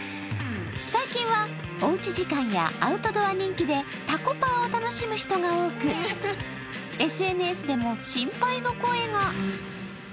最近は、おうち時間やアウトドア人気でタコパーを楽しむ人が多く、ＳＮＳでも心配の声が。